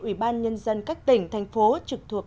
ủy ban nhân dân các tỉnh thành phố trực thuộc